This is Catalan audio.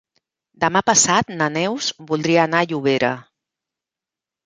Demà passat na Neus voldria anar a Llobera.